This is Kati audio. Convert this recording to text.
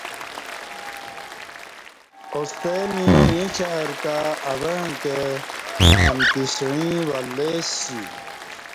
اوستں می ییں شہر تہ اوعں کہ امکی سعیں ولیسی